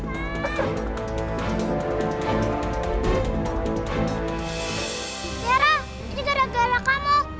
tiara ini gara gara kamu